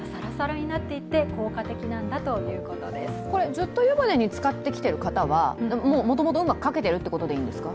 ずっと湯船につかってきてる方はもともとうまくかけてるってことでいいんですか？